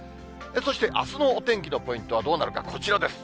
そしてあすのお天気のポイントはどうなるか、こちらです。